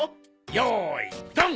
よーいドン！